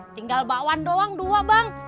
tinggal bakwan doang dua bang